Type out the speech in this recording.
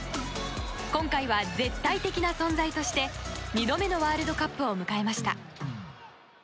今回は絶対的な存在として２度目のワールドカップを迎えました。